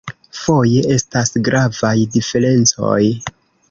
Foje estas gravaj diferencoj.